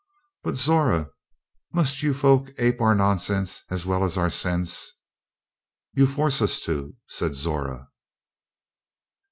"But, Zora, must you folk ape our nonsense as well as our sense?" "You force us to," said Zora.